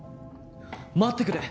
待ってくれ！